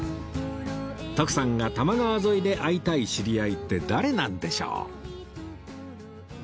徳さんが多摩川沿いで会いたい知り合いって誰なんでしょう？